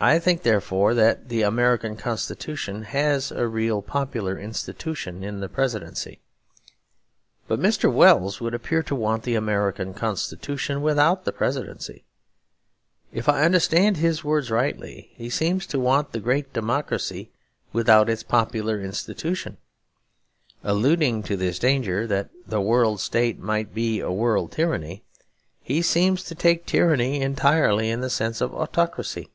I think, therefore, that the American Constitution has a real popular institution in the Presidency. But Mr. Wells would appear to want the American Constitution without the Presidency. If I understand his words rightly, he seems to want the great democracy without its popular institution. Alluding to this danger, that the World State might be a world tyranny, he seems to take tyranny entirely in the sense of autocracy.